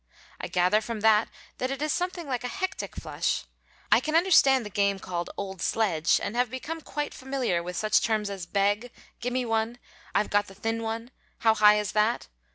I gather from that that it is something like a hectic flush. I can understand the game called "old sledge," and have become quite familiar with such terms as "beg," "gimmeone," "I've got the thin one," "how high is that?"